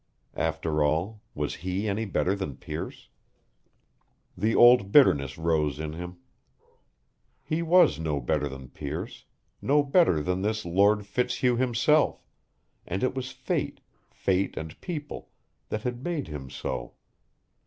After all, was he any better than Pearce? The old bitterness rose in him. He was no better than Pearce, no better than this Lord Fitzhugh himself, and it was fate fate and people, that had made him so.